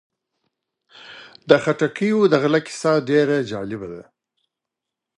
د خټکیو د غله کیسه ډېره جالبه ده.